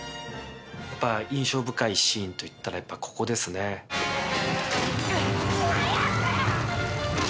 やっぱ印象深いシーンといったらここですね。早く！